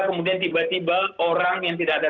kemudian tiba tiba orang yang tidak ada